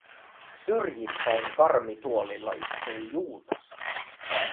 Syrjittäin karmituolilla istuu Juutas.